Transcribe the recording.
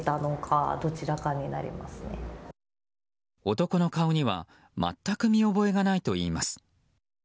男の顔には全く見覚えがないといいます。